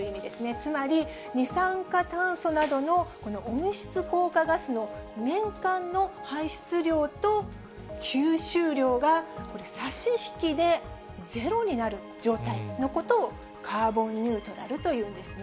つまり二酸化炭素などのこの温室効果ガスの年間の排出量と吸収量がこれ、差し引きでゼロになる状態のことをカーボンニュートラルというんですね。